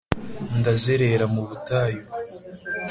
ndazerera mu butayu.